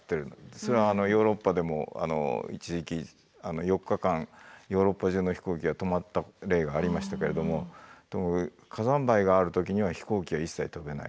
それはヨーロッパでも一時期４日間ヨーロッパじゅうの飛行機が止まった例がありましたけれども火山灰がある時には飛行機は一切飛べない。